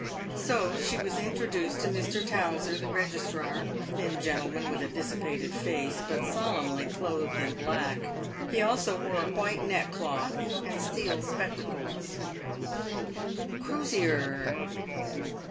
So she was introduced to Mr. Towser, the Registrar, a thin gentleman with a dissipated face, but solemnly clothed in black. He also wore a white neckcloth and steel spectacles. " Crosier!